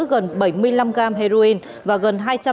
gần bảy mươi năm gram heroin và gần